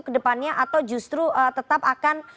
ke depannya atau justru tetap akan